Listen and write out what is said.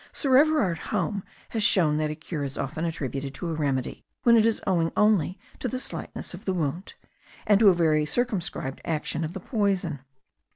Sir Everard Home has shown that a cure is often attributed to a remedy, when it is owing only to the slightness of the wound, and to a very circumscribed action of the poison.